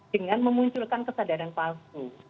dengan memunculkan kesadaran palsu